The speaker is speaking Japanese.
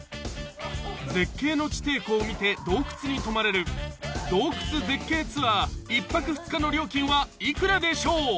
［絶景の地底湖を見て洞窟に泊まれる洞窟絶景ツアー１泊２日の料金は幾らでしょう？］